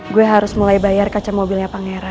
gue harus mulai bayar kaca mobilnya pangeran